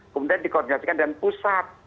kemudian dikoordinasikan dan pusat